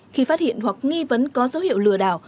khi phát hiện hoặc nghi vấn có dấu hiệu lừa đảo